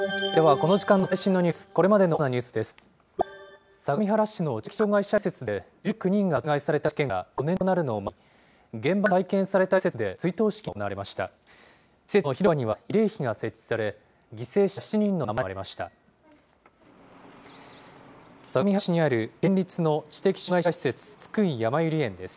この時間の最新のニュース、これまでの主なニュースです。